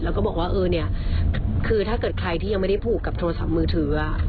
แล้วก็บอกว่าเออเนี่ยคือถ้าเกิดใครที่ยังไม่ได้ผูกกับโทรศัพท์มือถือ